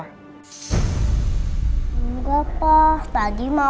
kenzo senang ketemu tante bella